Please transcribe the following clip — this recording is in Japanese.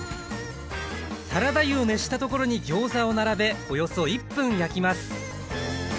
サラダ油を熱したところにギョーザを並べおよそ１分焼きます